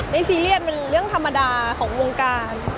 ซีเรียสมันเรื่องธรรมดาของวงการ